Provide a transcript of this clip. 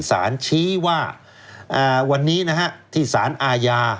สารชี้ว่าวันนี้นะฮะที่สารอาญา